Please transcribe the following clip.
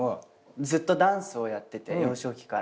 ずっとダンスをやってて幼少期から。